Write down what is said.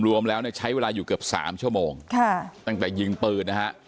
รวมแล้วเนี่ยใช้เวลาอยู่เกือบ๓ชั่วโมงตั้งแต่ยิงปืนนะฮะ